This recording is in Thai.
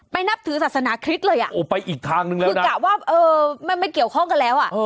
ไม่นับถือศาสนาคริสต์เลยอ่ะยก่าวว่าไม่เกี่ยวข้องกันแล้วอ่ะ